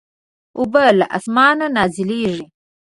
اوبه له اسمانه نازلېږي.